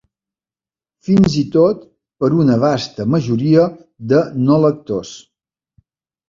Fins i tot per una vasta majoria de no-lectors.